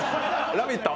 「ラヴィット！」